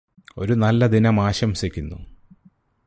ഒരു നല്ല ദിനം ആശംസിക്കുന്നു